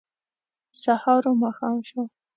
سهار و ماښام شو